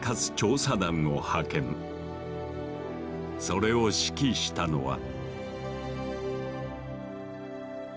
それを指揮したのは。